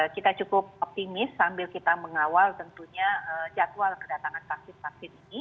kita cukup optimis sambil kita mengawal tentunya jadwal kedatangan vaksin vaksin ini